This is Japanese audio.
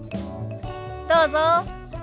どうぞ。